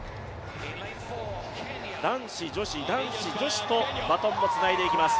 男子、女子、男子、女子とバトンをつないでいきます。